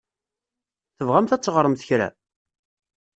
Tebɣamt ad teɣṛemt kra?